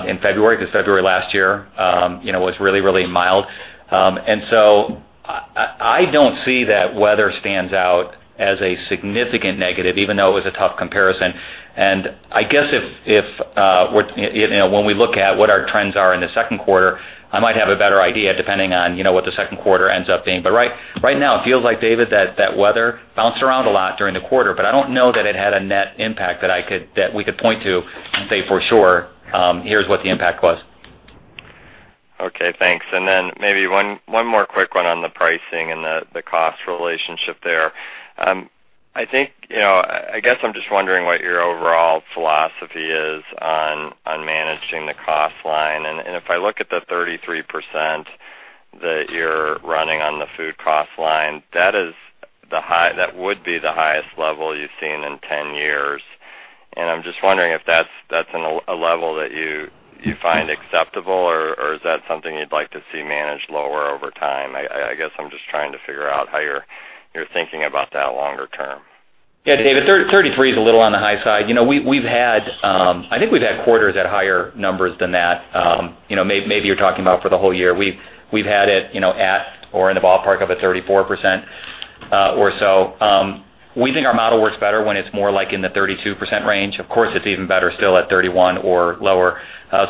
in February because February last year was really, really mild. I don't see that weather stands out as a significant negative, even though it was a tough comparison. I guess when we look at what our trends are in the second quarter, I might have a better idea depending on what the second quarter ends up being. Right now, it feels like, David, that weather bounced around a lot during the quarter, but I don't know that it had a net impact that we could point to and say for sure, "Here's what the impact was. Okay, thanks. Maybe one more quick one on the pricing and the cost relationship there. I guess I'm just wondering what your overall philosophy is on managing the cost line. If I look at the 33% that you're running on the food cost line, that would be the highest level you've seen in 10 years. I'm just wondering if that's a level that you find acceptable or is that something you'd like to see managed lower over time? I guess I'm just trying to figure out how you're thinking about that longer term. David, 33% is a little on the high side. I think we've had quarters at higher numbers than that. Maybe you're talking about for the whole year. We've had it at or in the ballpark of a 34% or so. We think our model works better when it's more like in the 32% range. Of course, it's even better still at 31% or lower.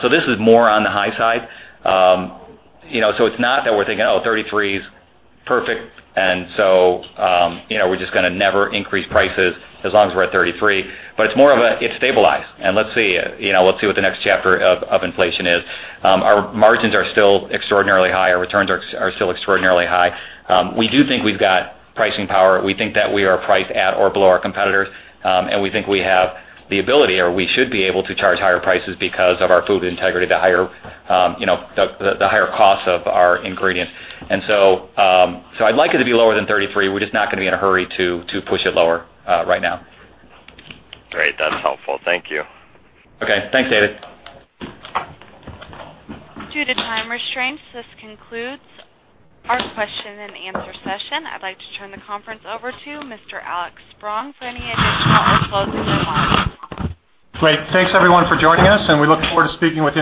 This is more on the high side. It's not that we're thinking, "Oh, 33% is perfect, and we're just going to never increase prices as long as we're at 33%," but it's more of a it stabilized, and let's see what the next chapter of inflation is. Our margins are still extraordinarily high. Our returns are still extraordinarily high. We do think we've got pricing power. We think that we are priced at or below our competitors. We think we have the ability, or we should be able to charge higher prices because of our food integrity, the higher cost of our ingredients. I'd like it to be lower than 33%. We're just not going to be in a hurry to push it lower right now. Great. That's helpful. Thank you. Okay. Thanks, David. Due to time restraints, this concludes our question and answer session. I'd like to turn the conference over to Mr. Alex Spong for any additional or closing remarks. Great. Thanks, everyone, for joining us. We look forward to speaking with you again.